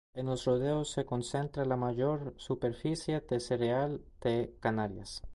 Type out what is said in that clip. En Los Rodeos se concentra la mayor superficie de cereal de Canarias.